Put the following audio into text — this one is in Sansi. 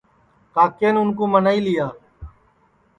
کاکین اُن کُو منائی لی